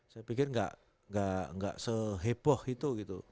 saya pikir nggak seheboh itu gitu